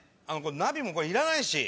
ナビもいらないし。